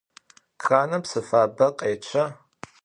Kranım psı fabe khêçça?